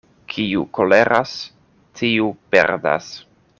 Kiu koleras, tiu perdas.